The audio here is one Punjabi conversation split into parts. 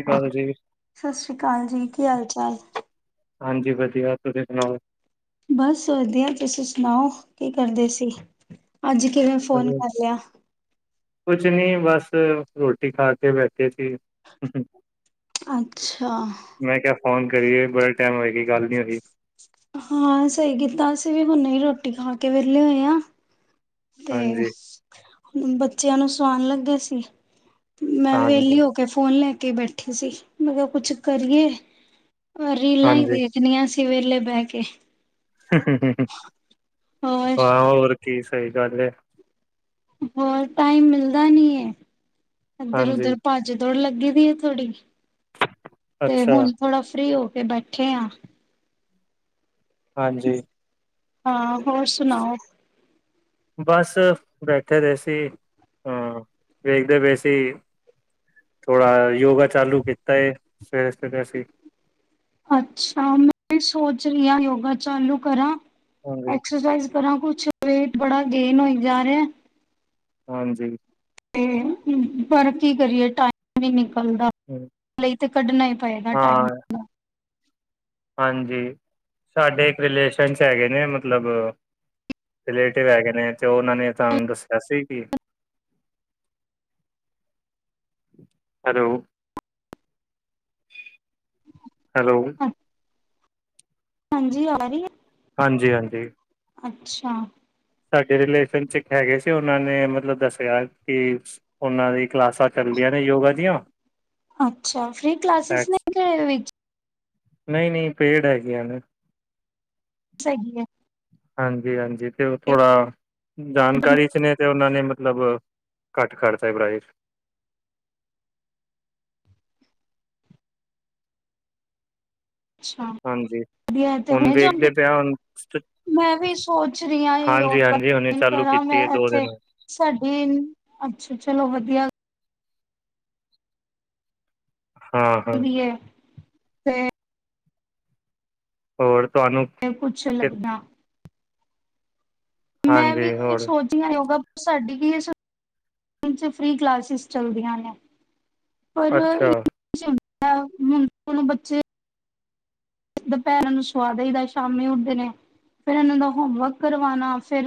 ਸਤਿ ਸ਼੍ਰੀ ਅਕਾਲ ਜੀ, ਸਤਿ ਸ੍ਰੀ ਅਕਾਲ ਜੀ ਕੀ ਹਾਲ ਚਾਲ ਹਾਂਜੀ ਵਧੀਆ ਤੁਸੀਂ ਸੁਣਾਓ ਬਸ ਵਧੀਆ ਤੁਸੀਂ ਸੁਣਾਓ ਕੀ ਕਰਦੇ ਸੀ ਅੱਜ ਕਿਵੇਂ ਫੋਨ ਅਹ, ਕਰ ਲਿਆ ਕੁਛ ਨੀ ਬਸ ਰੋਟੀ ਖਾ ਕੇ ਬੈਠੇ ਸੀ ਅੱਛਾ ਔਨ ਕਰੀਏ ਬ ਹਾਂ ਸਹੀ ਕੀਤਾ ਅਸੀਂ ਵੀ ਹੁਣ ਨਹੀਂ ਰੋਟੀ ਰੋਟੀ ਖਾ ਕੇ ਵਿਹਲੇ ਹੋਏ ਆ ਤੇ ਹਾਂਜੀ ਬੱਚਿਆਂ ਨੂੰ ਸੁਵਾਉਣ ਲੱਗੇ ਸੀ ਮੈਂ ਹਾਂਜੀ, ਵਿਹਲੀ ਹੋ ਕੇ ਫੋਨ ਲੈ ਕੇ ਬੈਠੀ ਸੀ ਮੈਂ ਕਿਹਾ ਕੁਛ ਕਰੀਏ ਰੀਲਾਂ ਹੀ ਹਾਂਜੀ ਵੇਖਣੀਆਂ ਸੀ ਸਵੇਲੇ ਬੈ ਕੇ ਹੋਰ ਹਾਂ ਹੋਰ ਕੀ ਸਹੀ ਗੱਲ ਹੈ ਹੋਰ ਟਾਈਮ ਮਿਲਦਾ ਨੀ ਇੱਧਰ ਹਾਂਜੀ। ਉਧਰ ਭੱਜ ਦੌੜ ਲੱਗੇ ਲੱਗੀ ਦੀ ਆ ਥੋੜੀ ਤੇ ਅੱਛਾ, ਹੁਣ ਥੋੜਾ ਫ੍ਰਰੀ ਹੋ ਕੇ ਬੈਠੇ ਆ ਹਾਂਜੀ ਹਾਂ ਹੋਰ ਸੁਣਾਓ ਬਸ ਬੈਠੇ ਰਹੇ ਸੀ ਹਾਂ ਵੇਖਦੇ ਪਏ ਸੀ ਥੋੜਾ ਯੋਗਾ ਚਾਲੂ ਕੀਤਾ ਹੈ ਸਵੇਰੇ ਸਵੇਰੇ ਅਸੀਂ ਅੱਛਾ ਮੈਂ ਸੋਚ ਰਹੀ ਹਾਂ ਯੋਗਾ ਚਾਲੂ ਕਰਾਂ ਹਾਂਜੀ, ਐਕਸਰਸਾਈਜ਼ ਕਰਾਂ ਕੁਛ ਵੇਟ ਬੜਾ ਗੇਨ ਹੋ ਜਾ ਰਿਹਾ ਹਾਂਜੀ ਅਤੇ ਪਰ ਕੀ ਕਰੀਏ ਟਾਈਮ ਵੀ ਨ ਦਾ ਹਮ, ਲਈ ਤੇ ਕੱਢਣਾ ਹੀ ਪਏਗਾ ਟਾਈਮ ਹਾਂ, ਹਾਂਜੀ ਸਾਡੇ ਇੱਕ ਰਿਲੇਸ਼ਨ ' ਹੈਗੇ ਨੇ ਮਤਲਬ ਰਿਲੇਟਿਵ ਹੈਗੇ ਨੇ ਤੇ ਉਹਨਾਂ ਨੇ ਤੁਹਾਨੂੰ ਦੱਸਿਆ ਸੀ ਕਿ ਹੈਲੋ ਹੈਲੋ ਹਾਂਜੀ ਆ ਰਹੀ ਹੈ ਹਾਂਜੀ ਹਾਂਜੀ ਅੱਛਾ ਸਾਡੇ ਰਿਲੇਸ਼ਨ ਚ ਇੱਕ ਹੈਗੇ ਸੀ ਉਹਨਾਂ ਨੇ ਮਤਲਬ ਦੱਸਿਆ ਕਿ ਉਹਨਾਂ ਦੀ ਕਲਾਸਾਂ ਚੱਲਦੀਆਂ ਨੇ ਯੋਗਾ ਦੀਆਂ ਅੱਛਾ ਫ੍ਰੀ ਕਲਾਸਿਸ ਨੇ ਐਕਸ ਵਿੱਚ ਨਹੀਂ ਨਹੀਂ ਪੇੜ ਹੈਗੀਆਂ ਨੇ ਸਗੀ ਹੈ ਹਾਂਜੀ ਹਾਂਜੀ ਤੇ ਉਹ ਥੋੜਾ ਜਾਣਕਾਰੀ ਚ ਨੇ ਤੇ ਉਹਨਾਂ ਨੇ ਮਤਲਬ ਘੱਟ ਕਰਤਾ ਪ੍ਰਾਈਜ਼ [inaudible] ਅੱਛਾ ਹਾਂਜੀ ਹੁਣ ਵਧੀਆ ਜਾਗੇ ਵੇਖਦੇ ਪਿਆ ਹੁਣ ਮੈਂ ਵੀ ਸੋਚ ਰਹੀ ਹ ਉਹ ਹਾਂਜੀ ਗ ਹਾਂਜੀ ਹੁਣੇ ਚਾਲੂ ਕਰਾਂ ਕੀਤੀ ਮੈਂ ਹੈ ਦੋ ਇੱਥੇ ਦਿਨ ਸਾਡੇ ਅੱਛਾ ਚਲੋ ਵਧੀਆ ਹਾਂ ਹਾਂ ਵੀ ਹੈ ਤੇ ਹੋਰ ਤੁਹਾਨੂੰ ਮ ਕੁਛ ਕਿ- ਲੱਗਣਾ ਮੈਂ ਵੀ ਹਾਂਜੀ ਉਹੀ ਹੋਰ ਸੋਚੀਆਂ ਨਹੀਂ ਉਹਗਾ ਸਾਡੀ ਵੀ ਇਸ ਸਕ ਫ੍ਰਰੀ ਕਲਾਸਿਸ ਚੱਲਦੀਆਂ ਨੇ ਪਰ ਅੱਛਾ [unintelligible] ਹੁਣੁਣ ਬੱਚੇ ਦੁਪਹਿਰਾਂ ਨੂੰ ਸੁਵਾਦ ਹੀਦਾ ਸ਼ਾਮੀ ਉੱਠਦੇ ਨੇ ਫੇਿਰ ਇਹਨਾਂ ਦਾ ਹੋਮਵਰਕ ਕਰਵਾਣਾ ਫੇਿਰ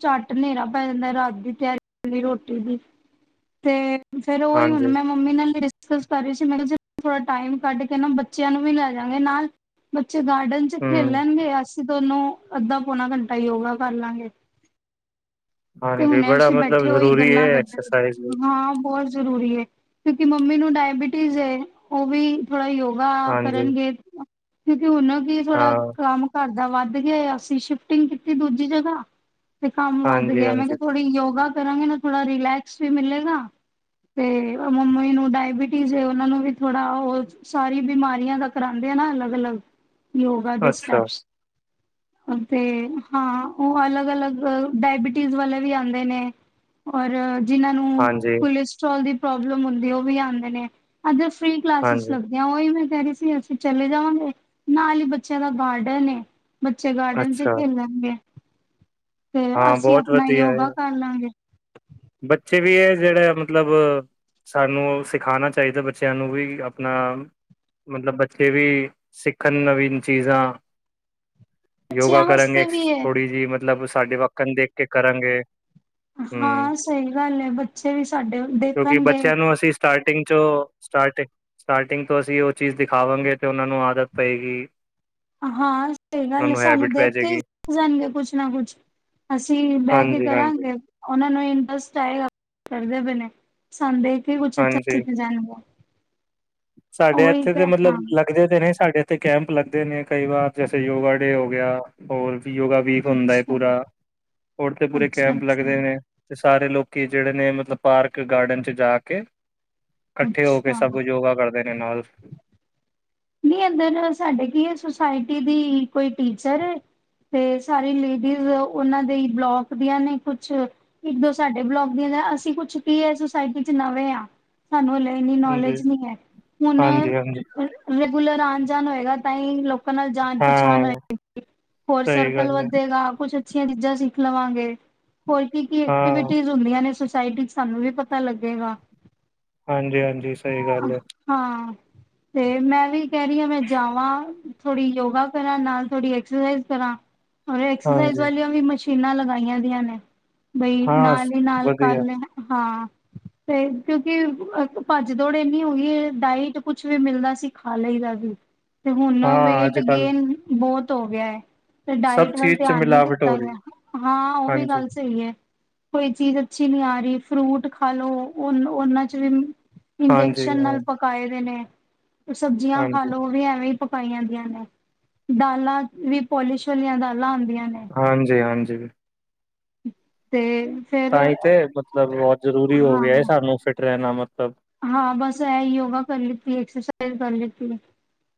ਝੱਟ ਹਨੇਰਾ ਪੈ ਜਾਂਦਾ ਰਾਤ ਦੀ ਤਿਆਰੀ ਰੋਟੀ ਦੀ ਤੇ ਫੇਿਰ ਉਹੀ ਹੁਣ ਹਾਂਜੀ ਮੈਂ ਮੰਮੀ ਨਾਲ ਕਰ ਰਹੀ ਸੀ ਮੈਂ ਕਿਹਾ ਥੋੜ੍ਹਾ ਟਾਈਮ ਕੱਢ ਕੇ ਨਾ ਬੱਚਿਆਂ ਨੂੰ ਵੀ ਲੈ ਜਾਗੇ ਨਾਲ ੇ ਗਾਰਡਨ ਚ ਹਮ ਖੇਲਣਗੇਏ ਅਸੀ ਅਸੀਂ ਤੁੋਨੂੰ ਅੱਧਾ ਪੌਣਾ ਘੰਟਾ ਯੋਗਾ ਕਰ ਲਾਂਗੇ ਤੇ ਹਾਂਜੀ, ਹੁਣੇ ਬੜਾ ਅਂ ਮਤਲਬ ਬੈਠੇ ਹੋਈ ਜ਼ਰੂਰੀ ਹੈ ਗੱਲਾਂ ਕਰਢ ਐਕਸਰਸਾਈਜ਼ ਵੀ, ਹਾਂ ਬਹੁਤ ਜ਼ਰੂਰੀ ਹੈ ਕਿਉਂਕਿ ਮੰਮੀ ਨੂੰ ਡਾਇਬੀਟੀਜ਼ ਹੈ ਉਹ ਵੀ ਥੋੜਾ ਯੋਗ ਹਾਂਜੀ, ਕਰਨਗੇ ਕਿਉਂਕਿ ਹਣ ਕੀ ਥੋੜਾ ਹਾਂ। ਕੰਮ ਕਰ ਾਂ ਵੱਧ ਗਿਆ ਅਸੀਂ ਸ਼ਿਫਟਿੰਗ ਕੀਤੀ ਦੂਜੀ ਜਗ੍ਹਾ ਤੇ ਕੰਮ ਵੱਧ ਧ ਮੈਂ ਹਾਂਜੀ-ਹਾਂਜੀ, ਕਿਹਾਥੋੜੀ ਯੋਗਾ ਕਰਾਂਗੇ ਨਾ ਥੋੜਾ ਰਿਲੈਕਸ ਵੀ ਮਿਲੇਗਾ ਤੇ ਮੰਮੀ ਨੂੰ ਡਾਇਬਿਟੀਜ਼ ਉਹਨਾ ਨੂੰ ਵੀ ਥੋੜਾ ਉਹ ਸਾਰੀ ਬਿਮਾਰੀਆਂ ਦਾ ਕਰਾਂਦੇ ਨਾ ਅਲੱਗ ਅਲੱਗ ਯੋਗਾ ਦੇ ਅੱਛਾ, ਸਟੈਪਸ ਤੇ ਹਾਂ ਉਹ ਅਲੱਗ ਅਲੱਗ ਡਾਇਬਟੀ ਵਾਲੇ ਵੀ ਆਉਂਦੇ ਨੇ ਔਰ ਜਿਨ੍ਹਾਂ ਨੂੰ ਹਾਂਜੀ, ਕੋਲਸ੍ਰੋਲ ਦੀ ਪ੍ਰੋਬਲਮ ਹੁੰਦੀ ਉਹ ਵੀ ਆਉਂਦੇ ਨੇ ਅੱਧਰ ਫ੍ਰਰੀ ਕਲਾਸਿਸ ਹਾਂਜੀ, ਲੱਗਦੀਆਂ ਉਹੀ ਮ ਕਹਿ ਰਹੇ ਸੀ ਅਸੀਂ ਚਲੇ ਜਾਵਾਂਗੇ ਨਾਲ ਹੀ ਬੱਚਿਆਂ ਦਾ ਗਾਰਡਨ ਬੱਚੇ ਗਾਰਡਨ ਚ ਅੱਛਾ, ਖੇਲਣਗੇ ਤੇ ਹਾਂ ਅਸੀਂ ਬਹੁਤ ਆਪਣਾ ਵਧੀਆ ਯੋਗਾ ਹੈ। ਕਰ ਲਾਂਗੇ ਬੱਚੇ ਵੀ ਇਹ ਜਿਹੜਾ ਮਤਲਬ ਸਾਨੂੰ ਸਿਖਾਉਣਾ ਚਾਹੀਦਾ ਬੱਚਿਆਂ ਨੂੰ ਵੀ ਆਪਣਾ ਮਤਲਬ ਬੱਚੇ ਵੀ ਸਿੱਖਣ ਨਵੀਂਨ ਚੀਜ਼ਾਂ ਯੋਗਾ ਬੱਚਿਆਂ ਕਰਾਂਗੇ ਵਾਸਤੇ ਵੀ ਏ ਥੋੜੀ ਜਿਹੀ ਮਤਲਬ ਸਾਡੇ ਵੱਖਣ ਦੇਖ ਕੇ ਕਰਾਂਗੇ ਹੂੰ ਹਾਂ ਸਹੀ ਗੱਲ ਹੈ ਬੱਚੇ ਵੀ ਸਾਡੇ ਕਿਉਂਕਿ ਦੇਖਣਗੇ ਬੱਚਿਆਂ ਨੂੰ ਅਸੀਂ ਸਟਾਰਟਿੰਗ ਚ ਸਟਾਰਟਿੰਗ ਸਟਾਰਟਿੰਗ ਤੋਂ ਅਸੀਂ ਉਹ ਚੀਜ਼ ਦਿਖਾਵਾਂਗੇ ਤੇ ਉਹਨਾਂ ਨੂੰ ਆਦਤ ਪਏਗੀ ਹਾਂ ਸਹੀ ਉਹਨਾਂ ਗੱਲ ਹੈ ਨੂੰ ਸਾਨੂੰ ਹੈਬਿਟ ਪੈ ਦੇਖ ਕੇ ਜਾਏਗੀ। ਹੀ ਜਾਣਗੇ ਕੁਛ ਨਾ ਕੁਛ ਅਸੀਂ ਬਹਿ ਕੇ ਹਾਂਜੀ, ਹਾਂਜੀ, ਕਰਾਂਗੇ ਉਹਨਾਂ ਨੂੰ ਇੰਟਰਸਟ ਚਾਹੇ ਕਰਦੇ ਪਏ ਨੇ ਸਡ ਹਾਂਜੀ ਸਾਡੇ ਉਹੀ ਇੱਥੇ ਤੇ ਦੇ ਮਤਲਬ ਹਾਂ ਲੱਗਦੇ ਤੇ ਨੇ ਸਾਡੇ ਇੱਥੇ ਕੈਂਪ ਲੱਗਦੇ ਨੇ ਕਈ ਵਾਰ ਜੈਸੇ ਯੋਗਾ ਡੇ ਹੋ ਗਿਆ ਹੋਰ ਯੋਗਾ ਵੀਕ ਹੁੰਦਾ ਅੱਛਾ। ਪੂਰਾ ਹੋਰ ਤੇ ਪੂਰੇ ਅੱਛਾ-ਅੱਛਾ, ਕੈਂਪ ਲੱਗਦੇ ਅੱਛਾ ਨੇ ਸਾਰੇ ਲੋਕੀ ਜਿਹੜੇ ਨੇ ਮਤਲਬ ਪਾਰਕ ਗਾਰਡਨ ਚ ਜਾ ਕੇ ਇਕੱਠੇ ਹੋ ਕੇ ਅੱਛਾ। ਸਭ ਯੋਗਾ ਕਰਦੇ ਨੇ ਨਾਲ ਨਹੀਂ ਅੰਦਰ ਸਾਡੇ ਕੀ ਸੁਸਾਇਟੀ ਦੀ ਕੋਈ ਟੀਚਰ ਤੇ ਸਾਰੀ ਲੇਡੀਜ਼ ਉਹਨਾਂ ਦੇ ਬਲੋਕ ਦੀਆਂ ਨੇ ਕੁਛ, ਇੱਕ -ਦੋ ਸਾਡੇ ਬਲੋਕ ਦੀਆਂ ਅਸੀਂ ਕੁਛ ਕੀ ਹੈ ਸੁਸਾਇਟੀ ਚ ਨਵੇਂ ਹਾਂ ਸਾਨੂੰ ਹਲੇ ਇੰਨੀ ਹਾਂਜੀ, ਨੌਲੇਜ ਨਹੀਂ ਹੈ। ਹੁਣ ਹਾਂਜੀ, ਹਾਂਜੀ ਰੈਗੂਲਰ ਆਉਣ -ਜਾਣ ਹੋਏਗਾ ਤਾਂ ਹੀ ਲੋਕ ਆਪਾਂ ਨਾਲ ਜਾਣ -ਪਛਾਣ ਹਾਂ ਹੋਏਗੀ। ਹੋਰ ਸਹੀ ਸਰਕਲ ਗੱਲ ਹੈ ਵੱਧੇਗਾ ਕੁਛ ਅੱਛੀਆਂ ਚੀਜ਼ਾਂ ਸਿੱਖ ਲਵਾਂਗੇ, ਹੋਰ ਕੀ -ਕੀ ਹਾਂ। ਐਕਟੀਵਿਟੀ ਹੁੰਦੀਆਂ ਨੇ ਸਾਈਡ ਚ ਸਾਨੂੰ ਵੀ ਪਤਾ ਲੱਗੇਗਾ। ਹਾਂਜੀ- ਹਾਂਜੀ ਸਹੀ ਗੱਲ ਹੈ। ਹਮ ਮੈਂ ਵੀ ਕਹਿ ਰਹੀ ਹਾ ਮੈਂ ਜਾਵਾਂ, ਥੋੜੀ ਯੋਗਾ ਕਰਾਂ ਨਾਲ ਥੋੜੀ ਐਕਸਰਸਾਈਜ਼ ਕਰਾਂ। ਰ ਐਕਸਰਸਾਈਜ਼ ਹਾਂਜੀ ਵਾਲੀਆਂ ਵੀ ਮਸ਼ੀਨਾਂ ਲਗਾਈਆਂ ਦੀਆਂ ਨੇ ਬਈ ਹਾਂ ਨਾਲ ਹੀ ਨਾਲ ਕਰ ਵਧੀਆ ਲੈ, ਹਾਂ। ਤੇ ਕਿਉਂਕਿ ਭੱਜ- ਦੌੜ ਇੰਨੀ ਹੋਗੀ ਏ ਡਾਇਟ ਕੁਛ ਵੀ ਮਿਲਦਾ ਸੀ- ਖਾ ਲਈਦਾ ਸੀ ਤੇ ਹੁਣ ਹਾਂ ਵੇਟ ਅੱਜ ਕੱਲ ਗੇਨ ਬਹੁਤ ਹੋ ਗਿਆ ਹੈ। ਤੇ ਸਭ ਡਾਇਟ ਵੱਲ ਚੀਜ਼ ਚ ਧਿਆਨ ਨੀ ਮਿਲਾਵਟ ਹੋ ਦਿੱਤਾ ਰਹੀ ਗਿਆ ਹਾਂ ਉਹ ਵੀ ਹਾਂਜੀ, ਗੱਲ ਸਹੀ ਹੈ। ਕੋਈ ਚੀਜ਼ ਅੱਛੀ ਨੀ ਆ ਰਹੀ। ਫਰੂਟ ਖਾਲੋ ਉਹ ਉਹਨਾਂ ਚ ਵੀ ਹਾਂਜੀ, ਇੰਜੈਕਸ਼ਨ ਹਾਂ ਨਾਲ ਪਕਾਏ ਦੇ ਨੇ ਸਬਜ਼ੀਆਂ ਖਾ ਹਾਂਜੀ, ਲੋ ਉਹ ਵੀ ਐਵੇਂ ਪਕਾਈਆ ਦੀਆਂ ਨੇ ਦਾਲਾਂ ਵੀ ਪੋਲਿਸ਼ ਵਾਲੀਆਂ ਦਾਲਾਂ ਆਉਂਦੀਆਂ ਨੇ ਹਾਂਜੀ -ਹਾਂਜੀ। ਤੇ ਫੇਰ ਤਾਂ ਹੀ ਤੇ ਮਤਲਬ ਬਹੁਤ ਜ਼ਰੂਰੀ ਹੋ ਗਿਆ ਹੈ ਹਾਂ ਸਾਨੂੰ ਫਿਟ ਰਹਿਣਾ ਮਤਲਬ ਹਾਂ, ਬਸ ਇਹ ਯੋਗਾ ਕਰ ਲੀਤ ਸਹੀ ਗੱਲ ਏ,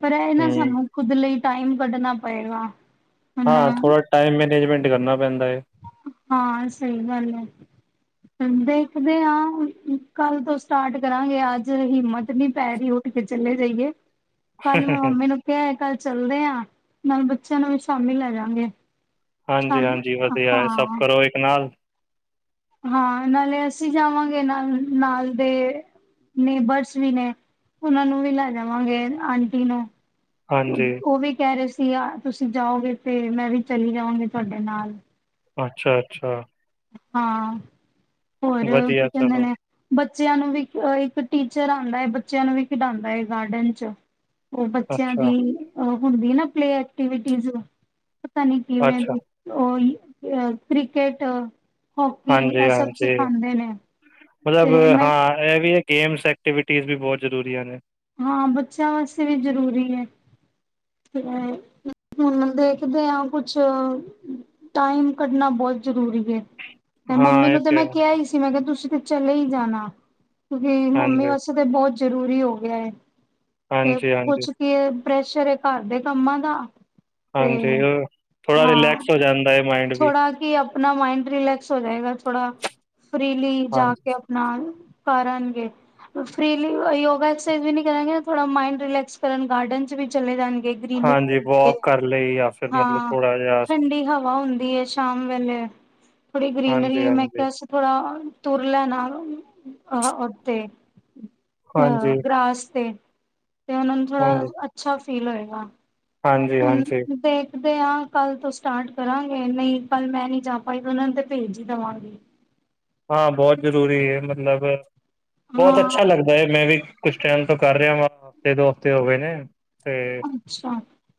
ਪਰ ਇਹ ਨਾ ਹਮ ਸਾਨੂੰ ਖੁਦ ਲਈ ਟਾਈਮ ਕੱਢਣਾ ਪਏਗਾ। ਹੁਣ ਹਾਂ, ਥੋੜਾ ਟਾਈਮ ਮੈਨੇਜਮੈਂਟ ਕਰਨਾ ਪੈਂਦਾ ਹੈ ਹਾਂ, ਸਹੀ ਗੱਲ ਹੈ। ਦੇਖਦੇ ਹਾਂ ਕੱਲ ਤੋਂ ਸਟਾਰਟ ਕਰਾਂਗੇ ਅੱਜ ਹਿੰਮਤ ਨੀ ਪੈ ਰਹੀ ਹੋ। ਫੇਰ ਚਲੇ ਜਾਈਏ। ਕੱਲ ਮੈਂ ਮੰਮੀ ਨੂੰ ਕਿਹਾ ਕੱਲ ਚਲਦੇ ਹਾਂ ਨਾਲ ਬੱਚਿਆਂ ਨੂੰ ਵੀ ਸ਼ਾਮੀ ਲੈ ਜਾਗੇ। ਹਾਂਜੀ- ਸ਼ਾਮ ਹਾਂਜੀ, ਵਧੀਆ ਹੈ ਸਭ ਹਾਂ ਕਰੋ ਇੱਕ ਨਾਲ ਹਾਂ, ਨਾਲੇ ਅਸੀਂ ਜਾਵਾਂਗੇ ਨਾਲ, ਨਾਲ ਦੇ ਨੇਬਰਸ ਵੀ ਨੇ, ਉਹਨਾਂ ਨੂੰ ਵੀ ਲੈ ਜਾਵਾਂਗੇ, ਆਂਟੀ ਨੂੰ। ਹਾਂਜੀ ਉਹ ਵੀ ਕਹਿ ਰਹੇ ਸੀ। ਤੁਸੀਂ ਜਾਓਗੇ ਫੇਰ ਮੈਂ ਵੀ ਚਲੀ ਜਾਵਾਗੀ ਤੁਹਾਡੇ ਨਾਲ ਅੱਛਾ -ਅੱਛਾ। ਹਾਂ! ਹੋਰ, ਕੀ ਵਧੀਆ ਕਹਿੰਦੇ ਚਲੋ ਨੇ ਬੱਚਿਆਂ ਨੂੰ ਵੀ ਇੱਕ ਟੀਚਰ ਆਉਂਦਾ ਹੈ। ਬੱਚਿਆਂ ਨੂੰ ਵੀ ਖਿਡਾਦਾ ਹੈ ਗਾਰਡਨ 'ਚ। ਉਹ ਬੱਚਿਆਂ ਅੱਛਾ ਦੀ ਹੁੰਦੀ ਨਾ ਪਲੇ ਐਕਟੀਵਿਟੀਜ਼ ਪਤਾ ਨਈ ਕਿਵੇਂ ਅੱਛਾ ਉਹ ਕ੍ਰਿਕਟ ਹੋਕੀ ਹਾਂਜੀ ਇਹ ਸਭ ਹਾਂਜੀ ਸਿਖਾਉਂਦੇ ਨੇ ਮਤਲਬ ਤੇ ਮੈਂ ਹਾਂ ਇਹ ਵੀ ਹੈ ਗੇਮਸ ਐਕਟੀਵਿਟੀਜ਼ ਵੀ ਬਹੁਤ ਜ਼ਰੂਰੀਆਂ ਨੇ ਹਾਂ ਬੱਚਿਆਂ ਵਾਸਤੇ ਵੀ ਜ਼ਰੂਰੀ ਹੈ। ਤੇ ਹੁਣ ਦੇਖਦੇ ਹਾਂ ਕੁਛ ਟਾਈਮ ਕੱਢਣਾ ਬਹੁਤ ਜ਼ਰੂਰੀ ਹੈ। ਤੇ ਹਾਂ ਮੰਮੀ ਇਹ ਨੂੰ ਤੇ ਮੈਂ ਹੈ ਕਿਹਾ ਹੀ ਸੀ, ਮੈਂ ਕਿਹਾ ਤੁਸੀਂ ਤੇ ਚਲੇ ਹੀ ਜਾਣਾ। ਕਿਉਂਕਿ ਮੰਮੀ ਹਾਂਜੀ ਵਾਸਤੇ ਤੇ ਬਹੁਤ ਜਰੂਰੀ ਹੋ ਗਿਆ ਹੈ। ਤੇ ਹਾਂਜੀ ਹਾਂਜੀ ਕੁੱਛ ਕੀ ਪ੍ਰੈਸ਼ਰ ਘਰ ਦੇ ਕੰਮਾਂ ਦਾ ਤੇ ਹਾਂਜੀ, ਉਹ ਥੋੜਾ ਹਾਂ ਰਿਲੈਕਸ ਹੋ ਜਾਂਦਾ ਹੈ। ਮਾਇੰਡ ਵੀ ਥੋੜਾ ਕਿ ਆਪਣਾ ਮਾਈੰਡ ਰਿਲੈਕਸ ਹੋ ਜਾਏਗਾ ਥੋੜਾ। ਫਰੀਲੀ ਜਾ ਹਾਂਜੀ ਕੇ ਆਪਣਾ ਕਰਨਗੇ ਫਲੀ ਯੋਗਾ ਐਕਸਰਸਜ਼ ਵੀ ਨੀ ਕਰਾਂਗੇ ਥੋੜਾ ਮੰਡਿਲੈਕਸ ਕਰਨ ਗਾਰਡਨ ਚ ਵੀ ਚਲੇ ਜਾਣਗੇ ਗਰੀੀਨਰੀ ਹਾਂਜੀ ਹੁੰਦੀ ਵੋਕ ਕਰ ਲਈ ਜਾਂ ਫਿਰ ਮਤਲਬ ਹਾਂ ਥੋੜਾ ਜਿਹਾ ਠੰਡੀ ਹਵਾ ਹੁੰਦੀ ਹੈ ਸ਼ਾਮ ਵੇਲੇ ਥੋੜੀ ਹਾਂਜੀ ਗਰੀਨਰੀ ਮੈਂ ਹਾਂਜੀ ਕਿਹਾ ਥੋੜਾ ਤੁਰਲਾ ਨਾਲ ਅ ਉ ਤੇ ਹਾਂਜੀ, ਅਹ ਗ੍ਰਸ ਤੇ ਤੇ ਉਹਨਾ ਨੂੰ ਥੋੜਾ ਹਾਂਜੀ, ਅੱਛਾ ਫੀਲ ਹੋਏਗਾ ਹਾਂਜੀ ਹਾਂਜੀ ਦੇ ਹਾਂ ਕੱਲ ਤੋਂ ਸਟਾਰਟ ਕਰਾਂਗੇ ਨਹੀਂ ਕੱਲ ਮੈਂ ਨਹੀਂੀ ਜਾ ਪਾਈ ਉਹਨਾਂ ਨੂੰ ਤੇ ਭੇਜ ਹੀ ਦੇਵਾਂਗੀ ਹਾਂ ਬਹੁਤ ਜ਼ਰੂਰੀ ਹੈ ਮਤਲਬ ਬਹੁਤ ਹਾਂ ਅੱਛਾ ਲੱਗਦਾ ਹੈ ਮੈਂ ਵੀ ਕੁਛ ਟਾਈਮ ਤੋਂ ਕਰ ਰਿਹਾ ਹਫ਼ਤੇ ਦੋ ਹਫ਼ਤੇ ਹੋ ਗਏ ਨੇ ਤੇ ਅੱਛਾ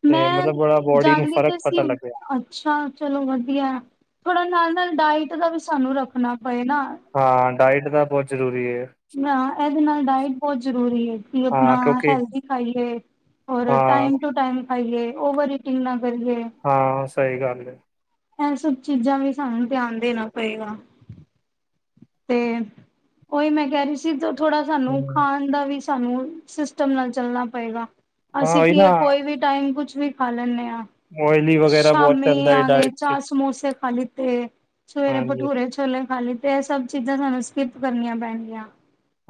ਤੇ ਮੈਂ ਮਤਲਬ ਬੜਾ ਬੋਡੀ ਨੂੰ ਜਾਦੀ ਫ਼ਰਕ ਤਾਂ ਸੀ ਪਤਾ ਲੱਗਿਆ ਅੱਛਾ ਚਲੋ ਵਧੀਆ ਥੋੜਾ ਨਾਲ ਨਾਲ ਡਾਇਟ ਦਾ ਵੀ ਸਾਨੂੰ ਰੱਖਣਾ ਪਏ ਨਾ ਹਾਂ ਡਾਇਟ ਤਾਂ ਬਹੁਤ ਜ਼ਰੂਰੀ ਏ ਨਾ ਇਹਦੇ ਨਾਲ ਡਾਇਟ ਬਹੁਤ ਜ਼ਰੂਰੀ ਹੈ ਕਿ ਹਾਂ ਆਪਣਾ ਕਿਉਂਕਿ ਹੈਲਦੀ ਖਾਈਏ ਰ ਹਾਂ, ਟਾਈਮ ਟੂ ਟਮ ਖਾਈਏ ਓਵਰ ਟਿੰਗ ਹਾਂ ਸਹੀ ਗੱਲ ਹੈ ਇਹ ਸਭ ਚੀਜ਼ਾਂ ਵੀ ਸਾਨੂੰ ਧਿਆਨ ਦੇਣਾ ਪਏਗਾ ਤੇ ਉਹੀ ਮੈਂ ਕਹਿ ਰਹੀ ਸੀ ਥੋੜਾ ਸਾਨੂੰ ਹੂੰ ਖਾਣ ਦਾ ਵੀ ਸਾਨੂੰ ਸਿਸਟਮ ਨਾਲ ਚੱਲਣਾ ਪਏਗਾ ਹਾਂ ਅਸੀਂ ਉਹੀ ਕੀ ਨਾ ਕੋਈ ਵੀ ਟਾਈਮ ਕੁਛ ਵੀ ਖਾ ਲੈਂਦੇ ਹਾਂ ਓਇਲੀ ਵਗੈਰਾ ਬਹੁਤ ਸ਼ਾਮੀ ਚੱਲਦਾ ਏ ਆ ਗਏ ਡਾਇਟ ਚ ਚਾਹ ਸਮੋਸੇ ਖਾ ਲਤੇ ਸਵੇਰੇ ਹਾਂਜੀ, ਭਠੂਰੇ ਚਲੇ ਹਾਲੀ ਤੇ ਇਹ ਸਭ ਚੀਜ਼ਾਂ ਸਾਨੂੰ ਸਕਿਪ ਕਰਨੀਆਂ ਪੈਣਗੀਆਂ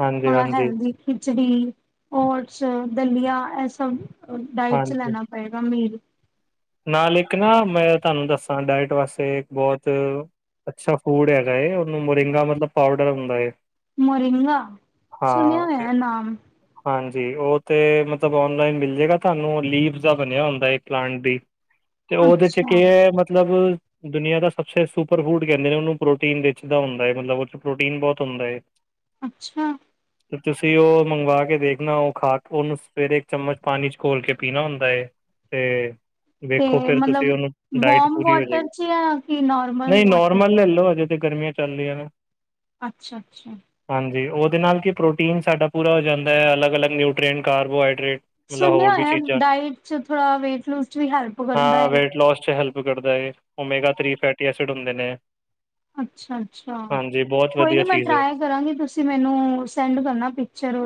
ਹਾਂਜੀ, ਹਾਂਜੀ, ਹੈਲਦੀ ਖਚੜੀ, ਓਟਸ, ਦਲੀਆ ਇਹ ਸਭ ਡਾਇਟ ਚ ਹਾਂਜੀ ਲੈਣਾ ਪਏਗਾ ਮੀਲ ਨਾਲ ਇੱਕ ਨਾ ਮੈਂ ਤੁਹਾਨੂੰ ਦੱਸਾਂ ਡਾਇਟ ਵਾਸਤੇ ਬਹੁਤ ਅੱਛਾ ਫੂਡ ਹੈਗਾ ਉਹਨੂੰ ਮੋਰਿੰਗਾ ਮਤਲਬ ਪਾਊਡਰ ਹੁੰਦਾ ਹੈ ਮੋਰਿੰਗਾ ਸੁਣਿਆ ਤੇ ਹੋਇਆ ਨਾਮ ਹਾਂਜੀ ਉਹ ਤੇ ਮਤਲਬ ਓਨਲਾਈਨ ਮਿਲ ਜਾੇਗਾ ਤੁਹਾਨੂੰ ਲੀਵ ਦਾ ਬਣਿਆ ਹੁੰਦਾ ਹੈ ਪਲਾਂਟ ਦੀ ਤੇ ਉਹਦੇ ਚ ਅੱਛਾ ਕੀ ਹੈ ਮਤਲਬ ਦੁਨੀਆਂ ਦਾ ਸਬ ਸੁਪਰ ਫੂਡ ਕਹਿੰਦੇ ਨੇ ਉਹਨੂੰ ਪ੍ਰੋਟੀਨ ਦਾ ਹੁੰਦਾ ਮਤਲਬ ਪ੍ਰੋਟੀਨ ਬਹੁਤ ਹੁੰਦਾ ਹੈ ਅੱਛਾ ਤੇ ਤੁਸੀਂ ਉਹ ਮੰਗਵਾ ਕੇ ਕੇ ਦੇਖਣਾ ਉਹ ਖਾ ਕੇ ਉਹਨੂੰ ਸਵੇਰੇ ਇੱਕ ਚਮਚ ਪਾਣੀ ਚ ਘੋਲ ਕੇ ਪੀਣਾ ਹੁੰਦਾ ਤੇ ਤੇ ਵੇਖੋ ਫੇਿਰ ਤੁਸੀਂ ਮਤਲਬ ਉਹਨੂੰ ਡਾਇਟ ਵਾਰਮ ਪੂਰੀ ਹੋ ਵਾਟਰ ਜਾਏਗੀ ਚ ਜਾਂ ਕਿ ਨੋਰਮਲ ਨਹੀਂ ਵਾਟਰ ਨੋਰਮਲ ਲੈ ਲਓ ਹਜੇ ਗਰਮੀਆਂ ਚੱਲ ਰਹੀਆਂ ਨਾ ਅੱਛਾ ਅੱਛਾ ਹਾਂਜੀ ਉਹਦੇ ਨਾਲ ਕੀ ਪ੍ਰੋਟੀਨ ਸਾਡਾ ਪੂਰਾ ਹੋ ਜਾਂਦਾ ਹੈ ਅਲੱਗ ਅਲੱਗ ਨਿਊਟਰੀਟ ਕਾਰਬੋਹਾਈਡਰੇਟ ਮਤਲਬ ਸੁਣਿਆ ਹੋਰ ਵੀ ਹੋ ਚੀਜ਼ਾਂ ਡਾਇਟ ਥੋੜਾ ਵੇਟ ਲੂ ਹੈਲਪ ਕਰਦਾ ਹੈ ਵਿਗੜਦਾ ਹੈ ਉਹਮੇਗਾਥ ਫੈਸਿਡ ਹੁੰਦੇ ਨੇ ਅੱਛਾ ਅੱਛਾ ਹਾਂਜੀ ਬਹੁਤ ਕੋਈ ਵਧੀਆ ਨਹੀਂ ਮੈਂ ਚੀਜ਼ ਏ ਟਰਾਈ ਕਰਾਂਗੀ ਤੁਸੀਂ ਮੈਨੂੰ ਸੈਂਡ ਕਰਨਾ ਪਿਕਚਰ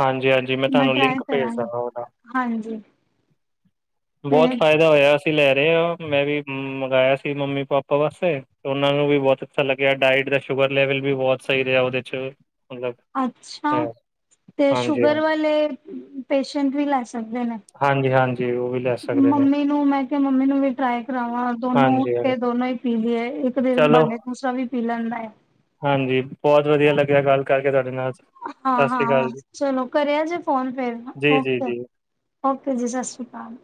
ਹਾਂਜੀ ਹਾਂਜੀ ਮੈਂ ਤੁਹਾਨੂੰ ਟਰਾਈ ਲਿੰਕ ਭੇਜਦਾ ਕਰਾਂਗੀ ਹਾਂ ਉਹਦਾ ਹਾਂਜੀ ਤੇ ਬਹੁਤ ਫ਼ਾਇਦਾ ਹੋਇਆ ਅਸੀਂ ਲੈ ਰਹੇ ਮੈਂ ਵੀ ਮੰਗਵਾਆ ਸੀ ਮੰਮੀ ਪਾਪਾ ਵਾਸਤੇ ਉਹਨਾਂ ਨੂੰ ਵੀ ਬਹੁਤ ਅੱਛਾ ਲੱਗਿਆ ਡਾਇਟ ਦਾ ਸ਼ੂਗਰ ਲੈਵਲ ਵੀ ਬਹੁਤ ਸਹੀ ਰਿਹਾ ਉਹਦੇ ਚ ਮਤਲਬ ਅੱਛਾ ਹੈ ਤੇ ਹਾਂਜੀ ਸ਼ੂਗਰ ਹਾਂਜੀ ਵਾਲੇ ਪੇਸ਼ੈਂਟ ਵੀ ਲੈ ਸਕਦੇ ਨੇ ਹਾਂਜੀ ਹਾਂਜੀ ਉਹ ਵੀ ਲੈ ਸਕਦੇ ਨੇ ਮੰਮੀ ਨੂੰ ਮੈਂ ਕਿਹਾ ਮੰਮੀ ਨੂੰ ਵੀ ਟਰਾਈ ਕਰਾਵਾਂ ਦੋਨੋ ਹਾਂਜੀ ਤੇ ਹਾਂਜੀ ਦੋਨੋ ਹੀ ਪੀਲੀ ਹੈ ਇੱਕ ਦਿਨ ਚਲੋ ਬਾਂੇ ਮੂਸਰਾ ਵੀ ਪੀ ਲੈਂਦਾ ਹੈ ਹਾਂਜੀ ਬਹੁਤ ਵਧੀਆ ਲੱਗਿਆ ਗੱਲ ਕਰਕੇ ਤੁਹਾਡੇ ਨਾਲ ਹਾਂ ਸਤਿ ਹ ਸ੍ਰੀ ਹਾਂ ਅਕਾਲ ਜੀ ਚਲੋ ਕਰਿਆ ਜੇ ਫੋਨ ਫਿਰ ਜੀ ਜੀ ਓਕੇ ਜੀ ਓਕੇ ਜੀ ਸਤਿ ਸ਼੍ਰੀ ਅਕਾਲ